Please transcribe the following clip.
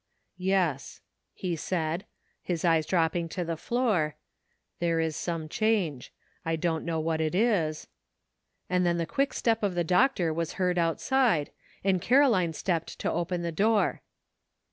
"Yes," he said, his eyes dropping to the floor, " there is some change ; I don't know what it is" — And then the quick step of the doctor was heard outside, and Caroline stepped to open the door.